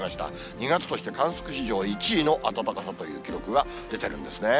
２月として観測史上１位の暖かさという記録が出てるんですね。